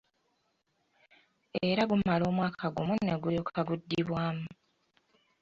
Era gumala omwaka gumu ne gulyoka guddibwamu.